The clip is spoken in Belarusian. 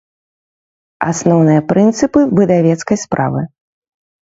Асноўныя прынцыпы выдавецкай справы